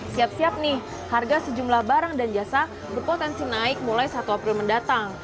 siap siap nih harga sejumlah barang dan jasa berpotensi naik mulai satu april mendatang